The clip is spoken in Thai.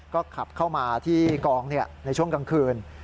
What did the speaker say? ก็ขับเข้ามาที่กองในช่วงกลางคืน